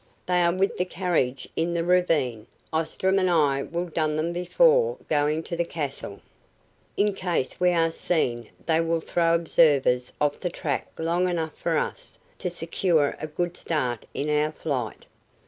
"They are with the carriage in the ravine; Ostrom and I will don them before going to the castle. In case we are seen they will throw observers off the track long enough for us to secure a good start in our flight."